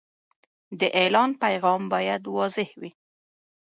د اعلان پیغام باید واضح وي.